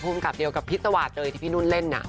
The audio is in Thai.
ภูมิกับเดียวกับพี่สวาสเลยที่พี่นุ่นเล่น